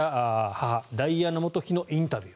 母・ダイアナ元妃のインタビュー。